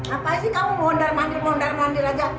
apa sih kamu mondar mandir mondar mandir aja